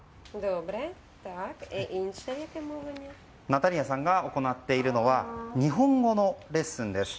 ナタリアさんが行っているのは日本語のレッスンです。